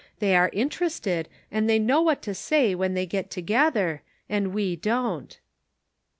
They are interested and they know what to say when they get together, and we don't."